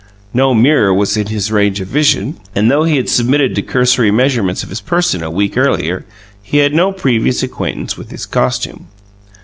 No mirror was in his range of vision and, though he had submitted to cursory measurements of his person a week earlier, he had no previous acquaintance with the costume.